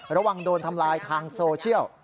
ระวังโดนทำลายทางโซเชียล